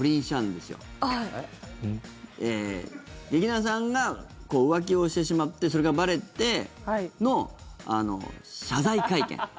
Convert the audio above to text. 劇団さんが浮気をしてしまってそれがばれての謝罪会見。